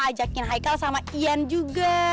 ajakin haikal sama ian juga